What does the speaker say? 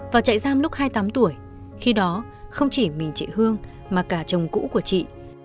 và chạy giam lúc hai mươi tám tuổi khi đó không chỉ mình chị hương mà cả chồng cũ của chị